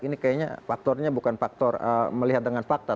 ini kayaknya faktornya bukan faktor melihat dengan fakta